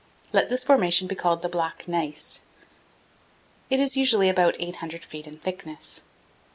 Let this formation be called the black gneiss. It is usually about 800 feet in thickness.